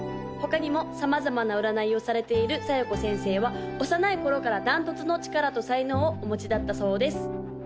他にも様々な占いをされている小夜子先生は幼い頃から断トツの力と才能をお持ちだったそうです